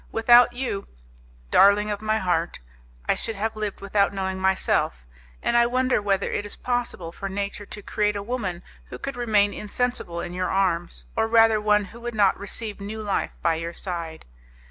Without you, darling of my heart, I should have lived without knowing myself, and I wonder whether it is possible for nature to create a woman who could remain insensible in your arms, or rather one who would not receive new life by your side.